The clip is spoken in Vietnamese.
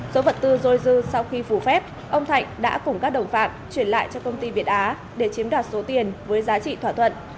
số vật tư dôi dư sau khi phủ phép ông thạnh đã cùng các đồng phạm chuyển lại cho công ty việt á để chiếm đoạt số tiền với giá trị thỏa thuận